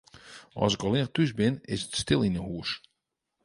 As ik allinnich thús bin, is it stil yn 'e hûs.